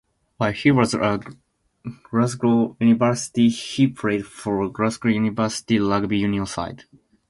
While he was at Glasgow University he played for Glasgow University rugby union side.